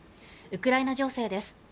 ウクライナ情勢です